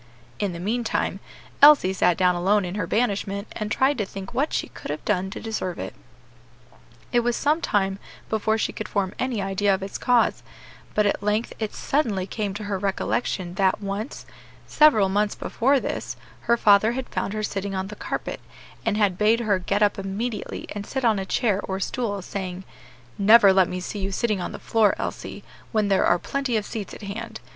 In the meantime, Elsie sat down alone in her banishment, and tried to think what she could have done to deserve it. It was some time before she could form any idea of its cause; but at length it suddenly came to her recollection that once, several months before this, her father had found her sitting on the carpet, and had bade her get up immediately and sit on a chair or stool, saying, "Never let me see you sitting on the floor, Elsie, when there are plenty of seats at hand.